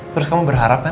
terus kamu berharap kan